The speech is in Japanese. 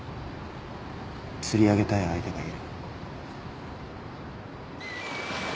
釣り上げたい相手がいる。